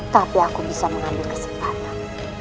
tapi aku bisa mengambil kesempatan